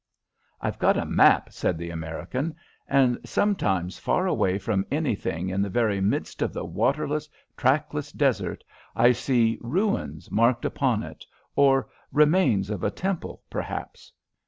"I've got a map," said the American, "and sometimes far away from anything in the very midst of the waterless, trackless desert, I see 'ruins' marked upon it or 'remains of a temple,' perhaps.